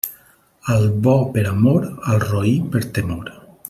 Al bo per amor, al roí per temor.